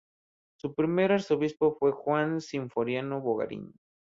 Su primer arzobispo fue Juan Sinforiano Bogarín.